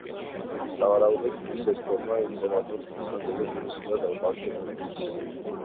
სავარაუდოდ, ჯვრის ეს ფორმა იმპერატორ კონსტანტინე დიდს უნდა უკავშირდებოდეს.